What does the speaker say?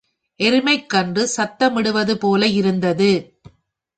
எருமைக் கன்று சத்தமிடவது போல இருந்தது.